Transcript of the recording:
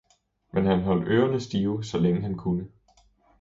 men han holdt ørene stive, så længe han kunne.